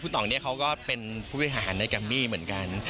คุณต่องเขาก็เป็นผู้พิหารในกรรมมี่เหมือนกัน